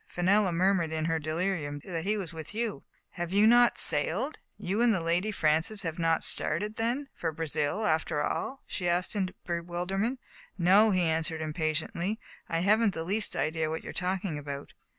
Fenella murmured in her delirium that he was with you/' " Have you not sailed ? You and Lady Francis have not started, then, for Brazil, after all ?*' she asked in bewilderment. " No,'* he answered impatiently. " I haven't the least idea what you are talking about.